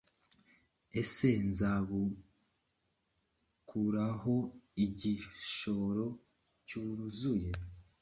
ese nzabukuraho igishoro ncuruze